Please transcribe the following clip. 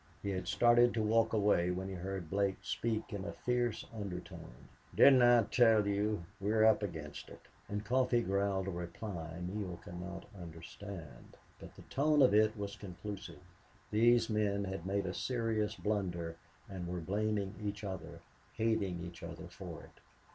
He had started to walk away when he heard Blake speak up in a fierce undertone. "Didn't I tell you? We're up against it!" And Coffee growled a reply Neale could not understand. But the tone of it was conclusive. These men had made a serious blunder and were blaming each other, hating each other for it.